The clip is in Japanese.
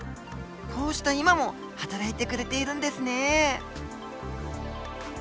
こうした今もはたらいてくれているんですね！